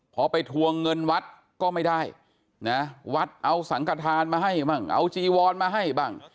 พอไปทวงเงินวัดก็ไม่ได้นะวัดเอาสังกฐานมาให้บ้างเอาจีวอนมาให้บ้าง